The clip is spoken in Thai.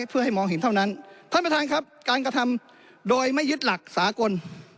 เพื่อให้มองเห็นเท่านั้นท่านประธานครับการกระทำโดยไม่ยึดหลักสากล